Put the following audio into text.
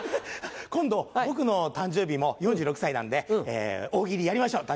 今度僕の誕生日も４６歳なんで大喜利やりましょう！